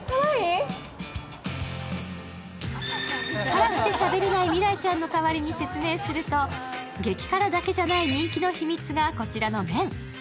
辛くてしゃべれない未来ちゃんの代わりに説明すると激辛だけじゃない人気の秘密がこちらの麺。